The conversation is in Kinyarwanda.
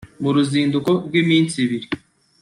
mu ruzinduko rw’iminsi ibiri